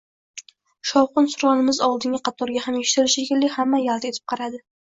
Shovqin-suronimiz oldingi qatorga ham eshitildi, shekilli – hamma yalt etib qaradi.